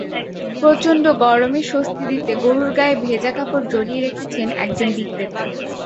প্রচণ্ড গরমে স্বস্তি দিতে গরুর গায়ে ভেজা কাপড় জড়িয়ে রেখেছেন একজন বিক্রেতা।